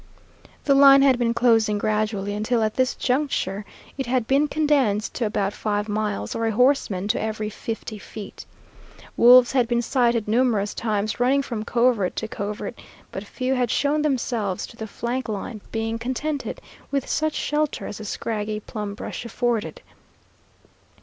The line had been closing gradually until at this juncture it had been condensed to about five miles, or a horseman to every fifty feet. Wolves had been sighted numerous times running from covert to covert, but few had shown themselves to the flank line, being contented with such shelter as the scraggy plum brush afforded.